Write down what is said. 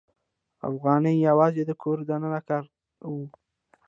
افغانۍ یوازې د کور دننه کاروو.